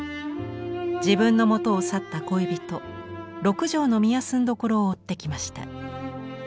自分のもとを去った恋人六条御息所を追って来ました。